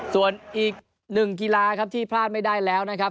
ส่วนอีกหนึ่งกีฬาครับที่พลาดไม่ได้แล้วนะครับ